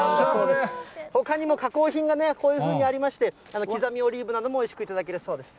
ほかにも加工品がね、こういうふうにありまして、刻みのオリーブなどもおいしく頂けるそうです。